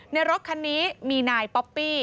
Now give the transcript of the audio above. รถคันนี้มีนายป๊อปปี้